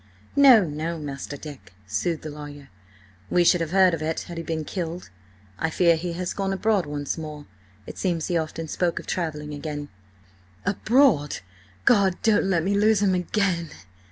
"No, no, Master Dick," soothed the lawyer. "We should have heard of it had he been killed. I fear he has gone abroad once more. It seems he often spoke of travelling again." "Abroad? God! don't let me lose him again!"